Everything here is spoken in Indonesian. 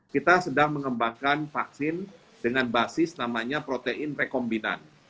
kita sedang mengembangkan vaksin dengan basis namanya protein rekombinan